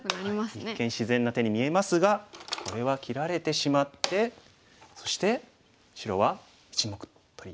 一見自然な手に見えますがこれは切られてしまってそして白は１目取りに。